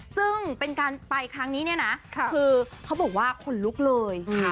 ซึ่งเป็นการไปครั้งนี้เนี่ยนะคือเขาบอกว่าขนลุกเลย